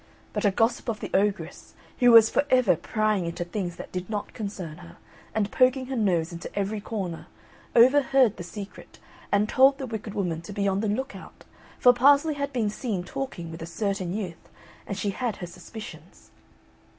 But a gossip of the ogress, who was for ever prying into things that did not concern her, and poking her nose into every corner, overheard the secret, and told the wicked woman to be on the look out, for Parsley had been seen talking with a certain youth, and she had her suspicions.